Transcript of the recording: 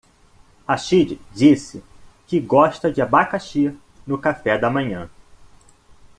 Rachid disse que gosta de abacaxi no café da manhã.